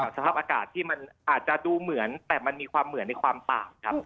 สภาพอากาศที่มันอาจจะดูเหมือนแต่มันมีความเหมือนในความต่างครับ